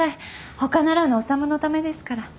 他ならぬ修のためですから。